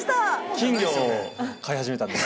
金魚を飼い始めたんです。